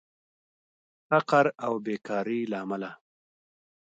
فقر او بیکارې له امله